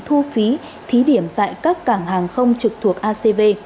thu phí thí điểm tại các cảng hàng không trực thuộc acv